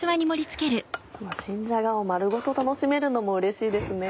新じゃがを丸ごと楽しめるのもうれしいですね。